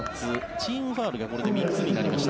チームファウルがこれで３つになりました。